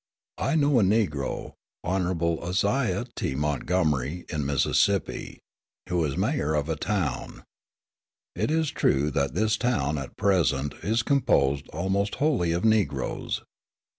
I know a Negro, Hon. Isaiah T. Montgomery, in Mississippi, who is mayor of a town. It is true that this town, at present, is composed almost wholly of Negroes.